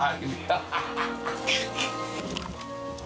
△ハハハ